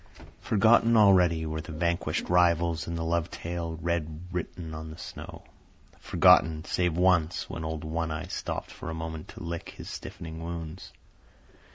Forgotten already were the vanquished rivals and the love tale red written on the snow. Forgotten, save once, when old One Eye stopped for a moment to lick his stiffening wounds.